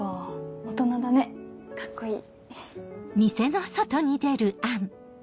大人だねカッコいい。